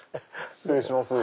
失礼します。